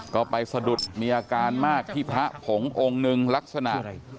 ก็ไปสะดุดมีอาการมากที่พระผงองค์หนึ่งลักษณะ